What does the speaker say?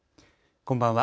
こんばんは。